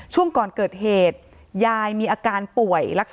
ช่วงก่อนเกิดเหตุยายมีอาการป่วยลักษณะ